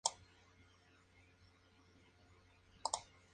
Además, se doctoró en ciencias agrarias en la Universidad de Múnich, Alemania.